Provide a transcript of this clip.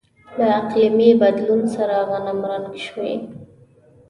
له اقلیمي بدلون سره غنمرنګ شوي.